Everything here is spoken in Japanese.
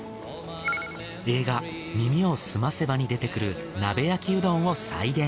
映画『耳をすませば』に出てくる鍋焼きうどんを再現。